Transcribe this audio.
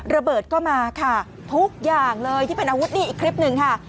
ระเบิดก็มาค่ะทุกอย่างเลยที่เป็นอาวุธนี่อีกคลิปหนึ่งค่ะ